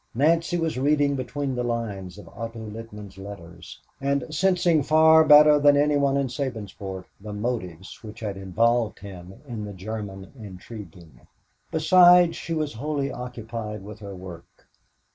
Nancy was reading between the lines of Otto Littman's letters, and sensing far better than any one in Sabinsport the motives which had involved him in the German intriguing. Besides, she was wholly occupied with her work.